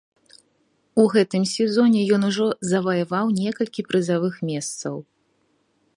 У гэтым сезоне ён ужо заваяваў некалькі прызавых месцаў.